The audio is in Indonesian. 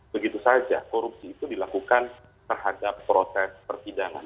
begitu saja korupsi itu dilakukan terhadap proses persidangan